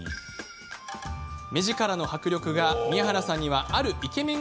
目力の迫力が宮原さんにはあるイケメン